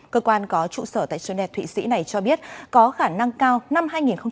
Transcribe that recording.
cơ quan có trụ sở tại trơn đẹp thụy sĩ này cho biết có khả năng cao năm hai nghìn hai mươi bốn